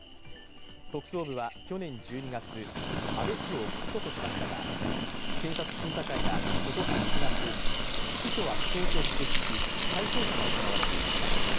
特捜部は去年１２月、安倍氏を不起訴としましたが検察審査会が今年７月、不起訴は不当と議決し再捜査が行われていました。